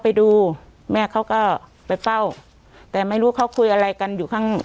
ไปดูแม่เขาก็ไปเฝ้าแต่ไม่รู้เขาคุยอะไรกันอยู่ข้าง